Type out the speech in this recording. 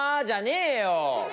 じゃねえよ！